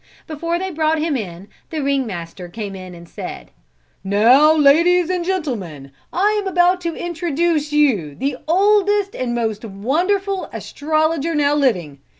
Before they brought him in, the Ring Master came in and said: "Now ladies and gentlemen, I am about to introduce to you the oldest and most wonderful astrologer now living.